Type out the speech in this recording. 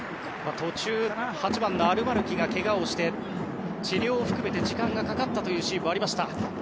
途中、８番のアルマルキがけがをして、治療を含めて時間がかかったシーンもありました。